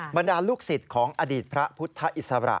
บรรดาลูกศิษย์ของอดีตพระพุทธอิสระ